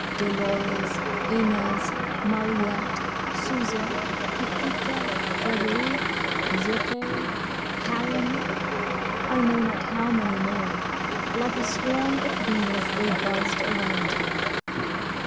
Dolores, Inez, Mariette, Suzette, Paquita, Frederike, Jette, Karen—I know not how many more—like a swarm of bees they buzzed around him.